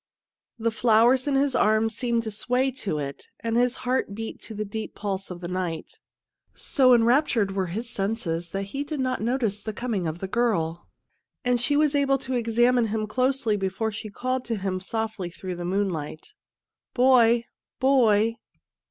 The flowers in his arms seemed to sway to it, and his heart beat to the deep pulse of the night. So enraptured were his senses that he did not notice the coming of the girl, and she was able to examine him closely before she called to him softly through the moonlight. " Boy ! Boy